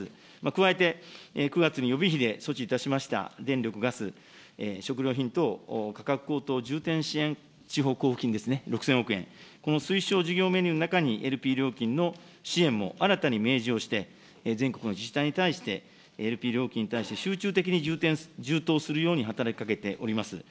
加えて、９月に予備費で措置いたしました電力・ガス、食料品等価格高騰重点地方交付金ですね、６０００億円、この推奨事業メニューの中にＬＰ料金の支援も新たに明示をして、全国の自治体に対して、ＬＰ料金に対して、集中的に充当するように働きかけております。